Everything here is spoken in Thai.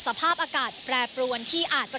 สภาพอากาศแปรปรวนที่อาจจะ